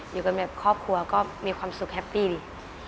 อยู่กันแบบครอบครัวก็มีความสุขแฮปปี้ดี